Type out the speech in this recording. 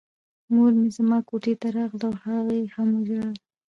مور مې زما کوټې ته راغله او هغې هم ژړل